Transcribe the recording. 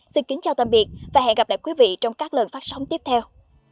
xin kính chào tạm biệt và hẹn gặp lại quý vị trong các lần phát sóng tiếp theo